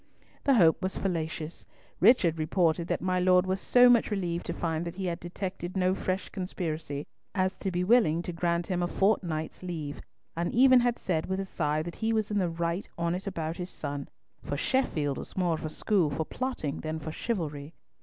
The hope was fallacious; Richard reported that my Lord was so much relieved to find that he had detected no fresh conspiracy, as to be willing to grant him a fortnight's leave, and even had said with a sigh that he was in the right on't about his son, for Sheffield was more of a school for plotting than for chivalry.